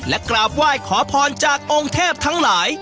และกราบไหว้ขอพรจากองค์เทพทั้งหลาย